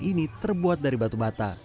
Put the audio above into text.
ini terbuat dari batu bata